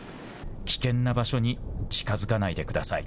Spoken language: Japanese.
危険な場所に近づかないでください。